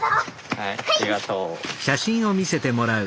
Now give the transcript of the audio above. はいありがとう。